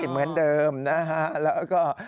เหมือนเดิมนะฮะแล้วก็